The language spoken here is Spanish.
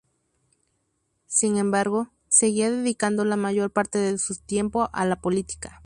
Sin embargo, seguía dedicando la mayor parte de su tiempo a la política.